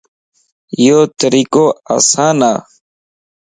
ايو طريقو آسان ا